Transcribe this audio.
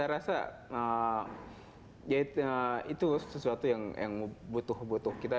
ya saya rasa itu sesuatu yang butuh butuh kita